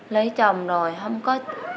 lấy chồng rồi không có